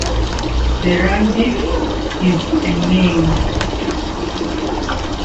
The Radif is "mein".